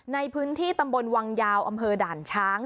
ในพื้นที่ตำบลวังยาวอำเภอด่านช้าง